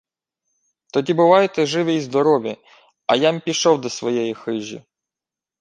— Тоді бувайте живі й здорові, а я-м пішов до своєї хижі.